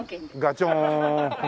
ガチョン！